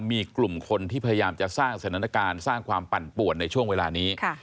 มีกลุ่มคนที่พยายามจะสร้างสถานการณ์สร้างความปั่นป่วนในช่วงเวลานี้